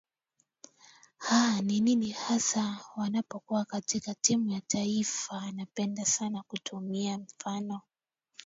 aa ni nini haswa wanapokua katika timu ya taifa anapenda sana kutumia mfano